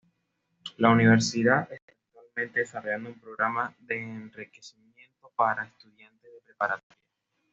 La Universidad esta actualmente desarrollando un programa de enriquecimiento para estudiantes de preparatoria.